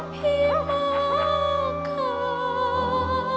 พี่มากค่ะ